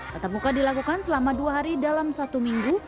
tetap muka dilakukan selama dua hari dalam satu minggu